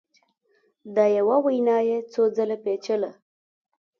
دا یوه وینا یې څو ځله پېچله